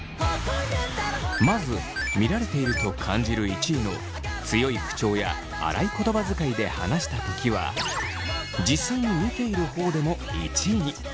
まず見られていると感じる１位の強い口調や荒い言葉遣いで話したときは実際に見ている方でも１位に。